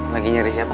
lagi nyari siapa